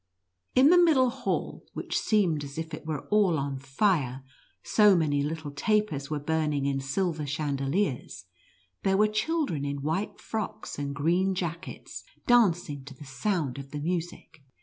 In the middle hall, which seemed as if it were all on fire, so many little tapers were "burning in silver chandeliers, there were children in white frocks and green jackets, dancing to the sound of the music.